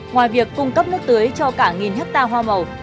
ngoài việc cung cấp nước tưới cho cả nghìn hectare hoa màu